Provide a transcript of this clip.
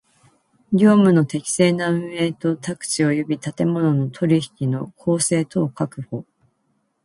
業務の適正な運営と宅地及び建物の取引の公正とを確保